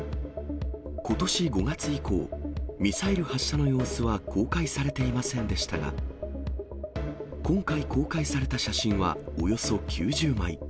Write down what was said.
ことし５月以降、ミサイル発射の様子は公開されていませんでしたが、今回公開された写真はおよそ９０枚。